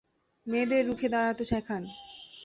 মেয়েদের রুখে দাঁড়াতে শেখান।